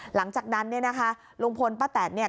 หลังจากนั้นเนี่ยนะคะลุงพลป้าแตนเนี่ย